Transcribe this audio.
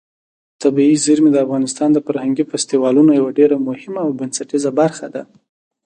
طبیعي زیرمې د افغانستان د فرهنګي فستیوالونو یوه ډېره مهمه او بنسټیزه برخه ده.